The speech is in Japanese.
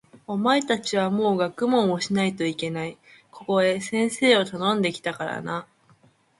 お前たちはもう学問をしないといけない。ここへ先生をたのんで来たからな。